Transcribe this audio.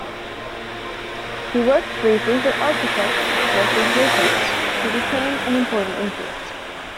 He worked briefly for architect Walter Gropius, who became an important influence.